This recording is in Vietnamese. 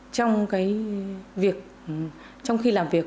trong cái việc trong khi làm việc